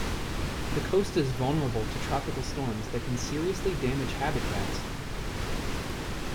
The coast is vulnerable to tropical storms that can seriously damage habitats.